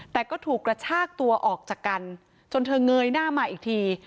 แต่ก็ถูกกระชากตัวออกจากกันจนเธอเงยหน้ามาอีกที